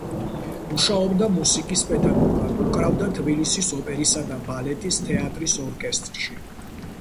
მუშაობდა მუსიკის პედაგოგად, უკრავდა თბილისის ოპერისა და ბალეტის თეატრის ორკესტრში.